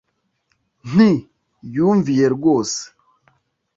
nti: “yumviye rwose,